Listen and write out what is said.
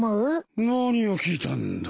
何を聞いたんだ？